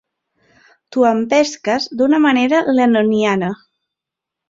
T'ho empesques d'una manera lennoniana.